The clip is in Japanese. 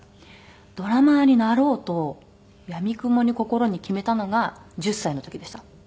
ドラマーになろうとやみくもに心に決めたのが１０歳の時でした。